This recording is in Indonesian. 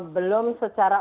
belum secara aktif